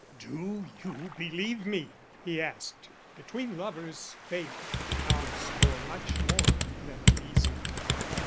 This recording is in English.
"Do you believe me?" he asked. Between lovers faith counts for much more than reason.